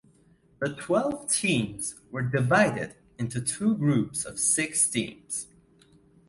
The twelve teams were divided into two groups of six teams.